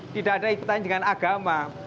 tidak ada isu tanjangan agama